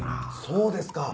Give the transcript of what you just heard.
そうですか。